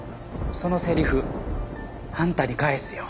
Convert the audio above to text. そのセリフあんたに返すよ。